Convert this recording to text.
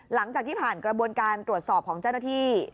หลังจากที่ผ่านกระบวนการตรวจสอบของเจ้าหน้าที่